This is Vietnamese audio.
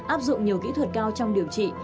áp dụng nhiều kỹ thuật cao trong điều trị